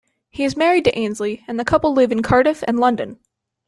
He is married to Ainslie and the couple live in Cardiff and London.